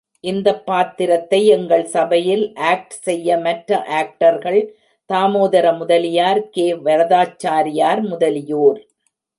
இந்தப் பாத்திரத்தை எங்கள், சபையில் ஆக்ட் செய்த மற்ற ஆக்டர்கள், தாமோதர முதலியார், கே. வரதாசாரியார் முதலியோர்.